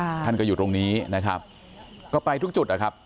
ท่านก็อยู่ตรงนี้นะครับก็ไปทุกจุดนะครับ